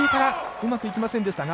うまくいきませんでしたが。